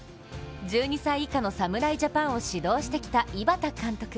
１２歳以下の侍ジャパンを指導してきた井端監督